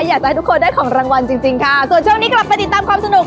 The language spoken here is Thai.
อยากจะให้ทุกคนได้ของรางวัลจริงจริงค่ะส่วนช่วงนี้กลับไปติดตามความสนุก